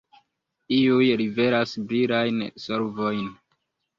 Iuj liveras brilajn solvojn.